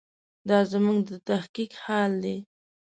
دا زموږ د تحقیق حال دی.